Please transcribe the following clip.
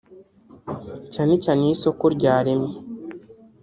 cyane cyane iyo isoko ryaremye